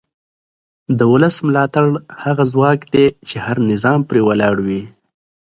د ولس ملاتړ هغه ځواک دی چې هر نظام پرې ولاړ وي